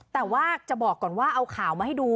แต่ว่าจะบอกก่อนว่าเอาข่าวมาให้ดู